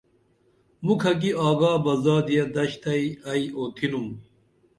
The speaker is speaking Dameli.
مُکھہ کی آگا بہ زادیہ دش تہ ائی اُتِھنُم